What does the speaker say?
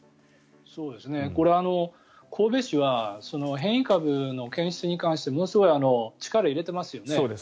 これ、神戸市は変異株の検出に関してものすごい力を入れていますよね。